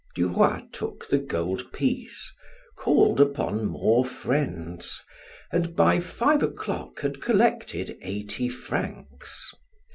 Duroy took the gold piece, called upon more friends, and by five o'clock had collected eighty francs.